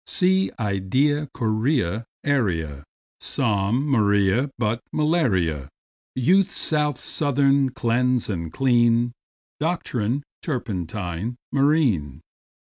Sea, idea, guinea, area, Psalm; Maria, but malaria; Youth, south, southern; cleanse and clean; Doctrine, turpentine, marine.